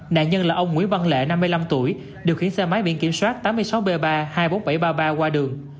nạn nhân là ông nguyễn văn lệ năm mươi năm tuổi điều khiển xe máy biển kiểm soát tám mươi sáu b ba hai mươi bốn nghìn bảy trăm ba mươi ba qua đường